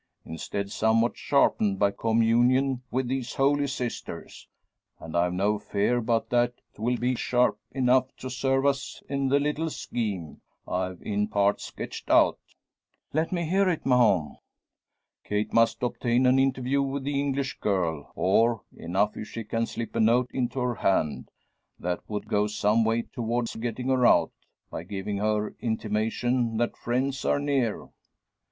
Instead, somewhat sharpened by communion with these Holy Sisters; and I've no fear but that 'twill be sharp enough to serve us in the little scheme I've in part sketched out." "Let me hear it, Mahon?" "Kate must obtain an interview with the English girl; or, enough if she can slip a note into her hand. That would go some way towards getting her out by giving her intimation that friends are near."